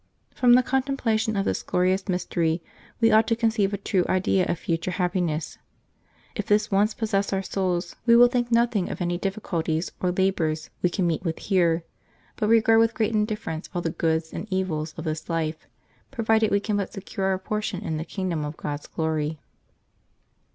— ^From the contemplation of this glorious mystery we ought to conceive a true idea of future happi ness; if this once possess our souls, we will think nothing 274 LIVES OF TEE SAINTS [August 7 of any difficulties or labors we can meet with here, but regard with great indifference all the goods and evils of this life, provided we can but secure our portion in the kingdom of Grod's glory.